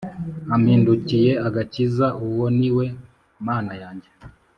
Ampindukiye agakiza Uwo ni we Mana yanjye